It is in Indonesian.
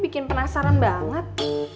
bikin penasaran banget